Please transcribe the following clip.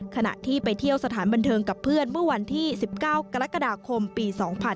ขณะที่ไปเที่ยวสถานบันเทิงกับเพื่อนเมื่อวันที่๑๙กรกฎาคมปี๒๕๕๙